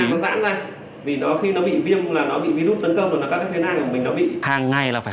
các bác sĩ cũng rất là bận rộn với công việc chuyên môn hàng ngày ở bệnh viện